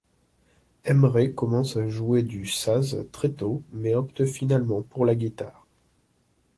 Emre commence à jouer du saz très tôt mais opte finalement pour la guitare.